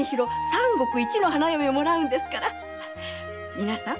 皆さん。